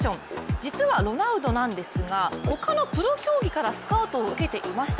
実はロナウドなんですが他のプロ競技からスカウトを受けていました。